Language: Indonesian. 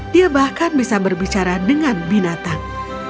dia bahkan bisa berbicara dengan binatang